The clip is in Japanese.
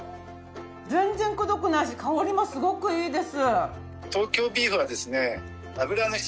全然くどくないし香りもすごくいいです。